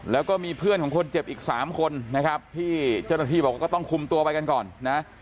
แล้วก็มีเพื่อนของคนเจ็บอีก๓คนนะครับที่เจ้าหน้าที่บอกว่าก็ต้องคุมตัวไปกันก่อนนะ